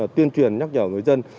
tiên truyền nhắc nhở người dân